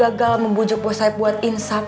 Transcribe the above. gagal membujuk bos saeb buat insap